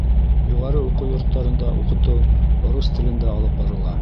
Юғары уҡыу йорттарында уҡытыу рус телендә алып барыла.